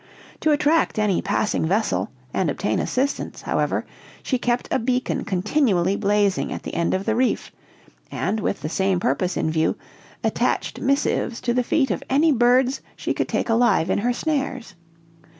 To attract any passing vessel, and obtain assistance, however, she kept a beacon continually blazing at the end of the reef; and, with the same purpose in view, attached missives to the feet of any birds she could take alive in her snares.